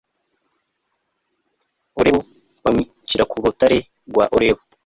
orebu bamwicira ku rutare rwa orebu